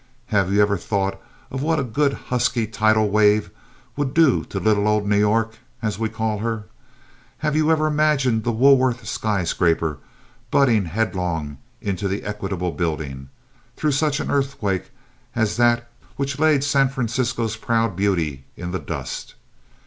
Have you ever thought of what a good, husky tidal wave would do to 'Little Old New York,' as we call her? Have you ever imagined the Woolworth skyscraper butting headlong into the Equitable Building, through such an earthquake as that which laid San Francisco's proud beauty in the dust?